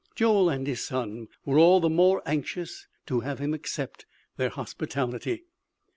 Joel and his son were all the more anxious to have him accept their hospitality.